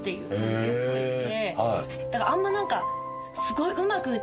だからあんま何か。